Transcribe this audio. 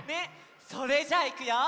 それじゃあいくよ！